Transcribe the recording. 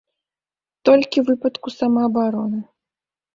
Толькі ў выпадку самаабароны.